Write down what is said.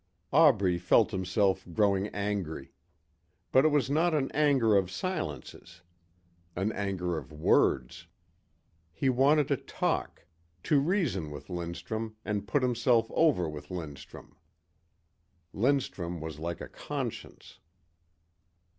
Aubrey felt himself growing angry. But it was not an anger of silences. An anger of words. He wanted to talk, to reason with Lindstrum and put himself over with Lindstrum. Lindstrum was like a conscience.